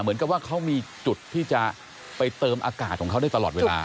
เหมือนกับว่าเขามีจุดที่จะไปเติมอากาศของเขาได้ตลอดเวลา